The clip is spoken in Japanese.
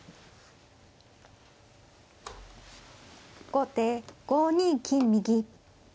後手５二金右。